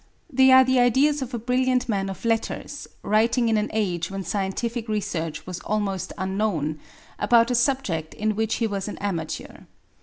They are the ideas of a brilliant man of letters, writing in an age when scientific research was almost unknown, about a subject in which he was an amateur.